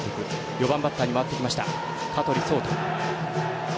４番バッターに回ってきました香取蒼太。